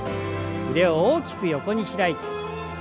腕を大きく横に開いて。